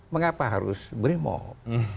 mengapa harus primob